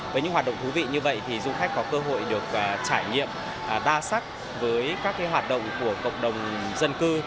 với những hoạt động thú vị như vậy thì du khách có cơ hội được trải nghiệm đa sắc với các hoạt động của cộng đồng dân cư